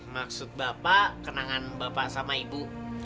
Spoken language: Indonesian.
maksud bapak kenangan bapak sama ibu